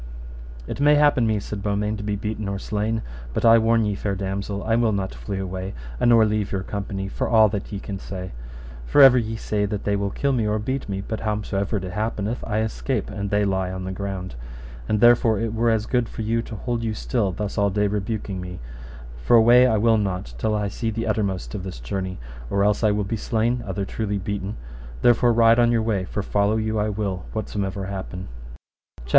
It may happen me, said Beaumains, to be beaten or slain, but I warn you, fair damosel, I will not flee away, a nor leave your company, for all that ye can say; for ever ye say that they will kill me or beat me, but howsomever it happeneth I escape, and they lie on the ground. And therefore it were as good for you to hold you still thus all day rebuking me, for away will I not till I see the uttermost of this journey, or else I will be slain, other truly beaten; therefore ride on your way, for follow you I will whatsomever happen. CHAPTER VIII.